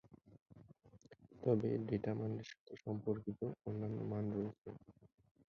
তবে, ডেটা মানের সাথে সম্পর্কিত অন্যান্য মান রয়েছে।